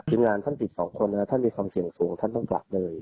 งานท่านติดสองคนนะครับท่านมีความเสี่ยงสูงท่านต้องกลับเลย